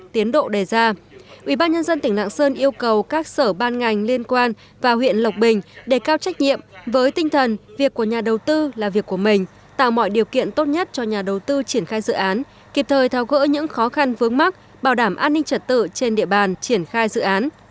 tiến độ đề ra ubnd tỉnh lạng sơn yêu cầu các sở ban ngành liên quan và huyện lộc bình đề cao trách nhiệm với tinh thần việc của nhà đầu tư là việc của mình tạo mọi điều kiện tốt nhất cho nhà đầu tư triển khai dự án kịp thời thao gỡ những khó khăn vướng mắt bảo đảm an ninh trật tự trên địa bàn triển khai dự án